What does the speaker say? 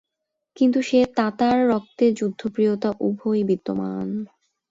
কিন্তু সে তাতার রক্তে যুদ্ধপ্রিয়তা উভয়েই বিদ্যমান।